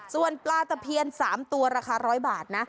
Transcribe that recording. ส่วนปลาตะเพียน๓ตัวราคา๑๐๐บาทนะ